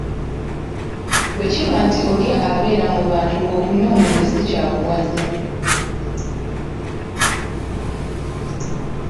Bwekiba nti oli abeera mu bantu ng'okunywa omwenge si kya buwaze.